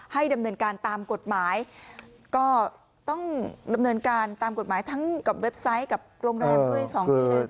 ดำเนินการตามกฎหมายก็ต้องดำเนินการตามกฎหมายทั้งกับเว็บไซต์กับโรงแรมด้วยสองที่นะ